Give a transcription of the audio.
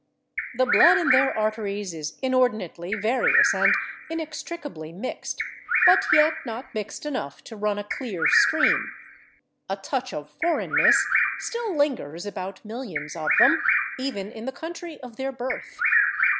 The blood in their arteries is inordinately various and inextricably mixed, but yet not mixed enough to run a clear stream. A touch of foreignness still lingers about millions of them, even in the country of their birth.